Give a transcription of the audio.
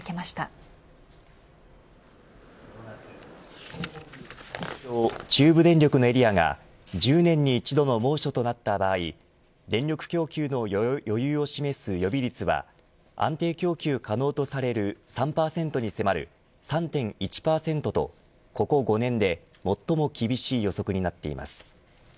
東北、東京中部電力のエリアが１０年に一度の猛暑となった場合電力供給の余裕を示す予備率は安定供給可能とされる３％に迫る３．１％とここ５年で最も厳しい予測になっています。